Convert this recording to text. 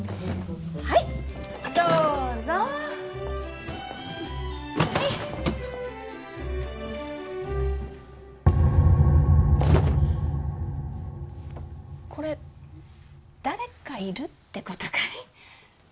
はいどうぞはいこれ誰かいるってことかい？